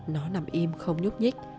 nó nằm im không nhúc nhích